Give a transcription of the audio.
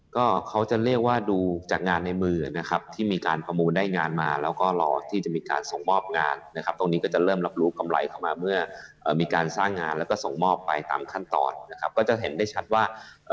ก็เขาจะเรียกว่าดูจากงานในมือนะครับที่มีการประมูลได้งานมาแล้วก็รอที่จะมีการส่งมอบงานนะครับตรงนี้ก็จะเริ่มรับรู้กำไรเข้ามาเมื่อมีการสร้างงานแล้วก็ส่งมอบไปตามขั้นตอนนะครับก็จะเห็นได้ชัดว่าเอ่อ